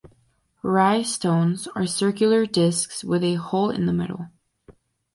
Rai stones are circular disks with a hole in the middle.